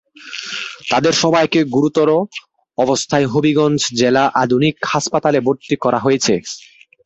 তাঁদের সবাইকে গুরুতর অবস্থায় হবিগঞ্জ জেলা আধুনিক হাসপাতালে ভর্তি করা হয়েছে।